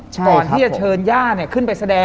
ก่อนที่จะเชิญหญ้าเนี่ย